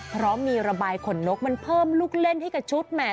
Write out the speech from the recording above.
เพราะมีระบายขนนกมันเพิ่มลูกเล่นให้กับชุดแหม